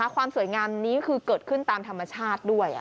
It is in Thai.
ความสวยงามนี้คือเกิดขึ้นตามธรรมชาติด้วย